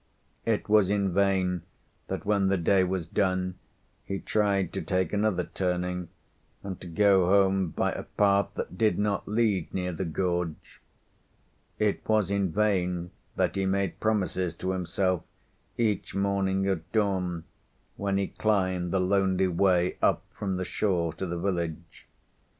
It was in vain that when the day was done he tried to take another turning and to go home by a path that did not lead near the gorge. It was in vain that he made promises to himself each morning at dawn when he climbed the lonely way up from the shore to the village.